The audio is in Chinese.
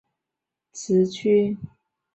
原县级贵池市改设贵池区。